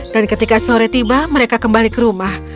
dan ketika sore tiba mereka kembali ke rumah